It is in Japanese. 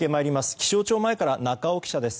気象庁前から中尾記者です。